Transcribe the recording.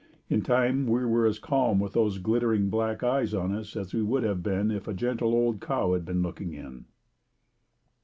In time we were as calm with those glittering black eyes on us as we would have been if a gentle old cow had been looking in.